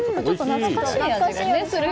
懐かしい味がする。